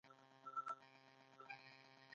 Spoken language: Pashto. د پلاستیک حد باید اته دېرش فیصده وي